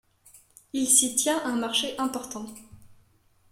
Il s'y tient un marché important.